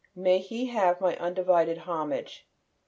May he have my undivided homage.